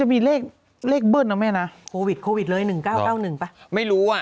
หนูเลขเป็นจวันเป็นพ่อจ๊ะหรอ